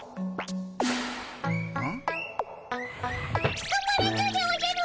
つかまらぬでおじゃる！